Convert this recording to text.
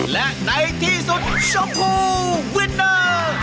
และในที่สุดชมพูวินเดอร์